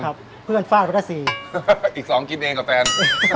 เพื่อนฟาดไปได้สี่อีกสองกินเองกับแฟน